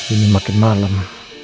ini makin malem